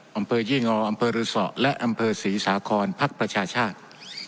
อำเภอยี่งออำเภอรือสอและอำเภอศรีสาครพักประชาชาติ